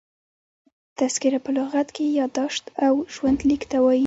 تذکره په لغت کښي یاداشت او ژوند لیک ته وايي.